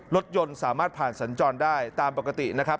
รถยนต์สามารถผ่านสัญจรได้ตามปกตินะครับ